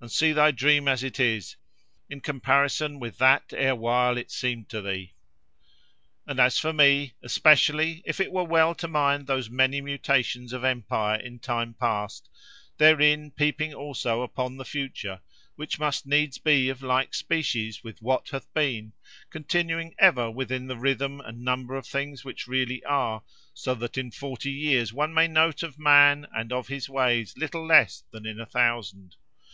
and see thy dream as it is, in comparison with that erewhile it seemed to thee. "And for me, especially, it were well to mind those many mutations of empire in time past; therein peeping also upon the future, which must needs be of like species with what hath been, continuing ever within the rhythm and number of things which really are; so that in forty years one may note of man and of his ways little less than in a thousand.